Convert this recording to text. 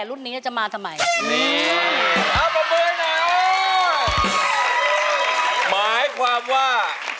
เราไม่ต้องมาไปหรอก